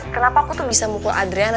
kenapa aku tuh bisa mukul adriana